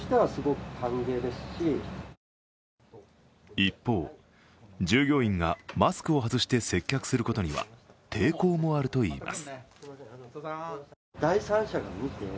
一方、従業員がマスクを外して接客することには抵抗もあるといいます。